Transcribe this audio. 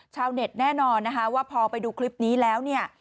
ชาวเน็ตแน่นอนนะคะว่าพอไปดูคลิปนี้แล้วเนี่ย